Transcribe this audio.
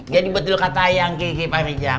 jadi betul kata ayang kiki pak rizak